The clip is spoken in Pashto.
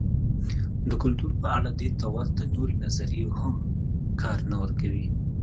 د کلتور په اړه دې ته ورته نورې نظریې هم کار نه ورکوي.